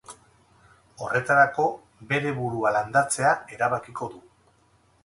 Horretarako, bere burua landatzea erabakiko du.